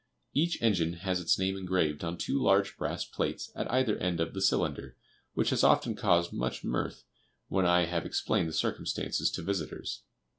Each engine has its name engraved on two large brass plates at either end of the cylinder, which has often caused much mirth when I have explained the circumstances to visitors.